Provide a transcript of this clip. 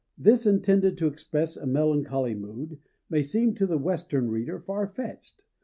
This, intended to express a melancholy mood, may seem to the Western reader far fetched.